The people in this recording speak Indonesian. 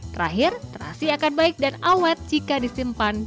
terakhir terasi akan baik dan awet jika disimpan